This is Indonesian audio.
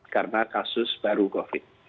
karena kasus baru covid